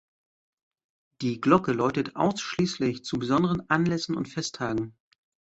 Die Glocke läutet ausschließlich zu besonderen Anlässen und Festtagen.